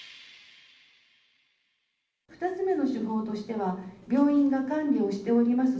２つ目の手法としては、病院が管理をしております